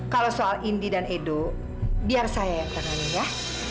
kalau soal indy dan edu biar saya yang tenangnya ya